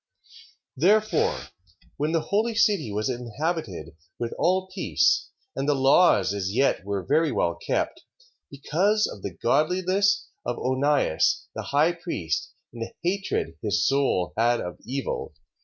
Therefore, when the holy city was inhabited with all peace, and the laws as yet were very well kept, because of the godliness of Onias, the high priest and the hatred his soul had of evil, 3:2.